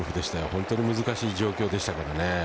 本当に難しい状況でしたから。